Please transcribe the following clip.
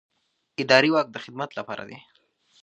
اداري واک د خدمت لپاره دی.